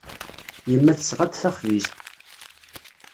Yemma tesɣa-d taxbizt.